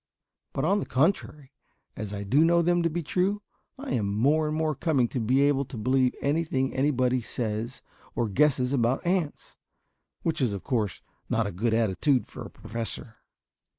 But on the contrary, as I do know them to be true, I am more and more coming to be able to believe anything anybody says or guesses about ants! Which is, of course, not a good attitude for a professor!